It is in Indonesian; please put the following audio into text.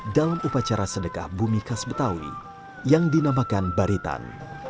dalam upacara sedekah bumi khas betawi yang dinamakan baritan